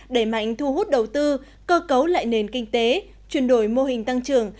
đẩy mạnh thu hút đầu tư cơ cấu lại nền kinh tế chuyển đổi mô hình tăng trưởng